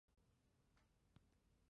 卡赫和布拉瑟姆合并而来。